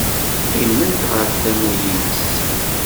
Qqiment ɣer tama-nnes.